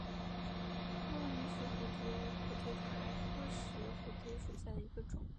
孟连石蝴蝶为苦苣苔科石蝴蝶属下的一个种。